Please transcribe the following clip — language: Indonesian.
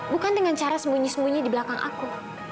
bukan dengan cara sembunyi sembunyi di belakang aku